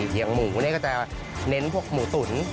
อย่างหมูนี่ก็จะเน้นพวกหมูตุ๋น